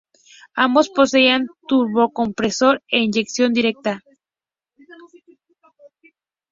Ambos poseían turbocompresor e inyección directa.